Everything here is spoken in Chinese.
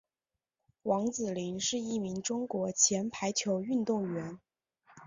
王子凌是一名中国前排球运动员。